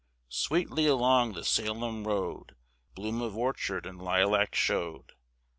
Sweetly along the Salem road Bloom of orchard and lilac showed.